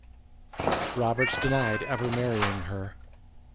Roberts denied ever marrying her.